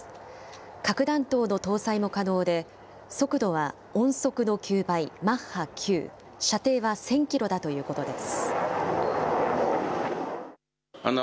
核弾頭の搭載も可能で、速度は音速の９倍、マッハ９、射程は１０００キロだということです。